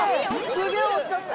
すげぇ惜しかった。